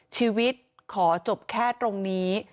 ชีวิตขอจบแค่ตรงนี้